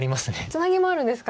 ツナギもあるんですか。